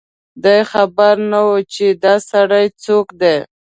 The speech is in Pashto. دی خبر نه و چي دا سړی څوک دی